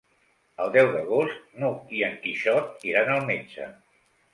El deu d'agost n'Hug i en Quixot iran al metge.